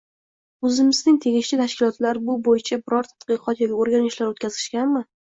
Oʻzimizning tegishli tashkilotlar bu boʻyicha biror tadqiqot yoki oʻrganishlar oʻtkazishganmi?